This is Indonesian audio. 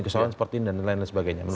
dan lain lain sebagainya